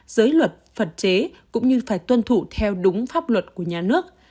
giới luật phật chế cũng như phải tuân thủ theo đúng pháp luật của nhà nước